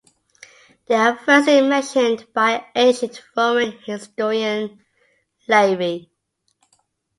They are firstly mentioned by ancient Roman historian Livy.